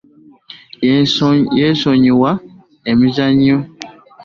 Yesonyowa emizannuo gua betingi .